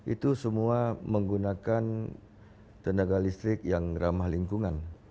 itu semua menggunakan tenaga listrik yang ramah lingkungan